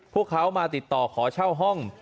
พวกเขามาติดต่อขอเช่าห้อง